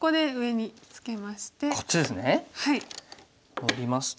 ノビますと。